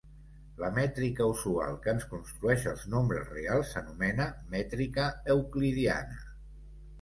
La mètrica usual que ens construeix els nombres reals s'anomena mètrica euclidiana.